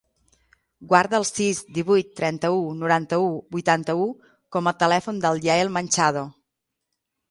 Guarda el sis, divuit, trenta-u, noranta-u, vuitanta-u com a telèfon del Yael Manchado.